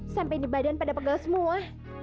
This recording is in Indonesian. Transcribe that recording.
sampai di badan pada pegal semua